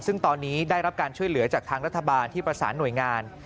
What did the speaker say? ซึ่งตอนนี้ได้รับการช่วยเหลือจากทางรัฐบาลที่ประสานหน่วยงาน